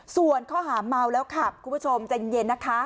ส่วนข้อหาเมาแล้วขับคุณผู้ชมใจเย็นนะคะ